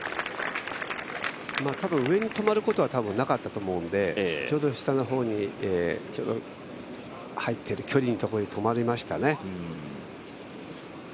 多分、上に止まることはなかったと思うのでちょうど下の方に入ってる、距離のところに止まりましたね。